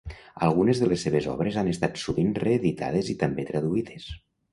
Algunes de les seves obres han estat sovint reeditades i també traduïdes.